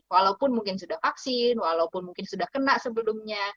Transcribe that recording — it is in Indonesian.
walaupun mungkin sudah vaksin walaupun mungkin sudah kena sebelumnya